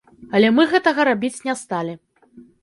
Але мы гэтага рабіць не сталі.